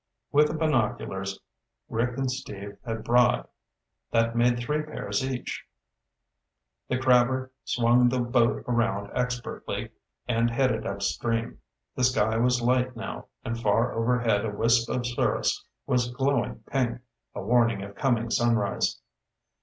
With the binoculars Rick and Steve had brought, that made three pairs each. The crabber swung the boat around expertly and headed upstream. The sky was light now, and far overhead a wisp of cirrus was glowing pink, a warning of coming sunrise.